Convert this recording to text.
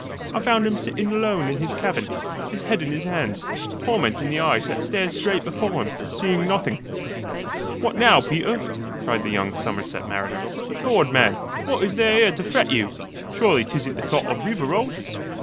I found him sitting alone in his cabin, his head in his hands, torment in the eyes that stared straight before him, seeing nothing." "What now, Peter?" cried the young Somerset mariner. "Lord, man, what is there here to fret you? Surely 't isn't the thought of Rivarol!"